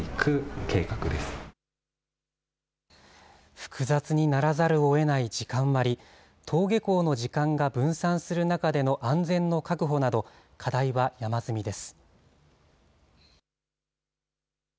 複雑にならざるをえない時間割り、登下校の時間が分散する中での安全の確保など、課題は山積みです。